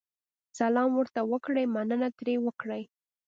سلام ورته وکړئ، مننه ترې وکړئ.